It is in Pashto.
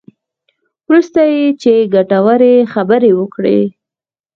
وروسته یې وویل چې ګټورې خبرې وکړې.